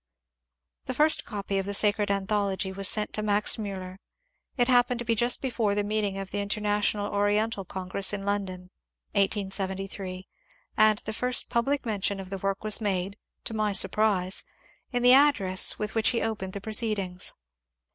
The first copy of the " Sacred Anthology " was sent to Max Miiller ; it happened to be just before the meeting of the international Oriental Congress in London (1873), and the first public mention of the work was made (to my sur prise) in the address with which he opened the proceedings.